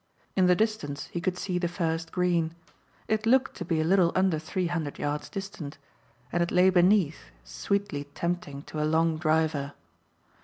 In the distance he could see the first green. It looked to be a little under three hundred yards distant; and it lay beneath, sweetly tempting to a long driver.